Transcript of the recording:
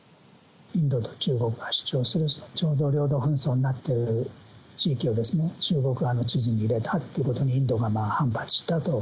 インドと中国が主張する、ちょうど領土紛争になっている地域は、中国は地図に入れたということにインドが反発したと。